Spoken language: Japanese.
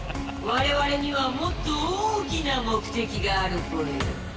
われわれにはもっと大きな目的があるぽよ。